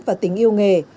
và tính yêu nghề